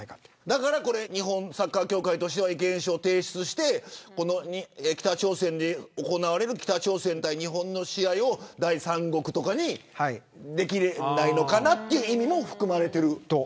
だから日本サッカー協会としては意見書を提出して北朝鮮で行われる北朝鮮対日本の試合を第三国とかにできないのかなという意味も含まれてる。